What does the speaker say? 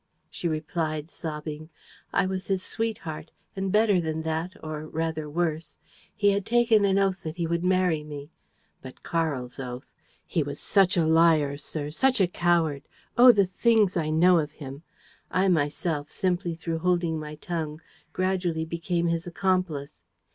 She replied, sobbing: "I was his sweetheart ... and better than that ... or rather worse. He had taken an oath that he would marry me. ... But Karl's oath! He was such a liar, sir, such a coward! ... Oh, the things I know of him! ... I myself, simply through holding my tongue, gradually became his accomplice.